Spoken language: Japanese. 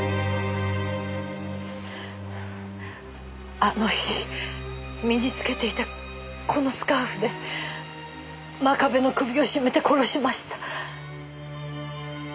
あの日身に着けていたこのスカーフで真壁の首を絞めて殺しました。